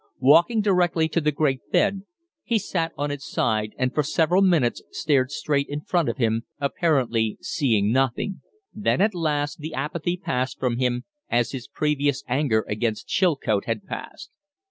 Walking directly to the great bed, he sat on its side and for several minutes stared straight in front of him, apparently seeing nothing; then at last the apathy passed from him, as his previous anger against Chilcote had passed.